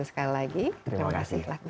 sekali lagi terima kasih